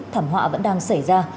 thảm họa vẫn đang xảy ra